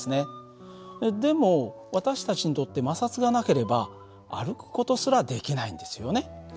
でも私たちにとって摩擦がなければ歩く事すらできないんですよね。